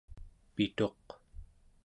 pituq